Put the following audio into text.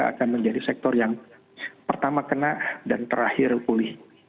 akan menjadi sektor yang pertama kena dan terakhir pulih